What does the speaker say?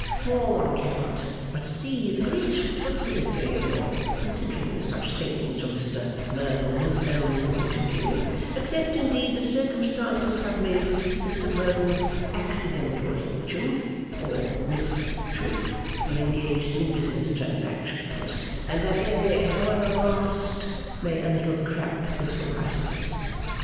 For one cannot but see the great probability of your considering such things from Mr Merdle's own point of view, except indeed that circumstances have made it Mr Merdle's accidental fortune, or misfortune, to be engaged in business transactions, and that they, however vast, may a little cramp his horizons.